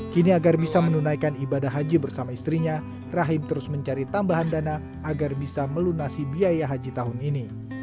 kini agar bisa menunaikan ibadah haji bersama istrinya rahim terus mencari tambahan dana agar bisa melunasi biaya haji tahun ini